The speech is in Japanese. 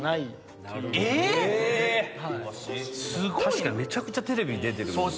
確かにめちゃくちゃテレビ出てる。